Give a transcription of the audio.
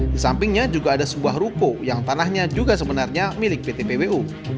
di sampingnya juga ada sebuah ruko yang tanahnya juga sebenarnya milik pt pwu